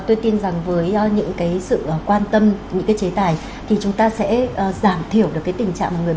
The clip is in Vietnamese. tôi tin rằng với những cái sự quan tâm những cái chế tài thì chúng ta sẽ giảm thiểu được cái tình trạng